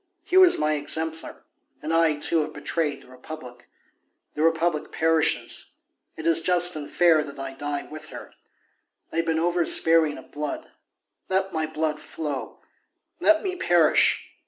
He was my exemplar, and I, too, have betrayed the Republic; the Republic perishes; it is just and fair that I die with her. I have been over sparing of blood; let my blood flow! Let me perish!